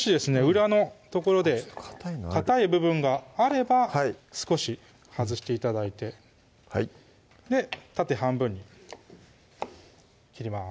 裏の所でかたい部分があれば少し外して頂いてはい縦半分に切ります